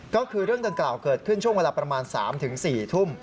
ก็คือเรื่องดังกล่าวเกิดขึ้นช่วงเวลาประมาณ๓๔ทุ่ม